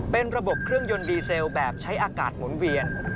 เป็นระบบเครื่องยนต์ดีเซลแบบใช้อากาศหมุนเวียน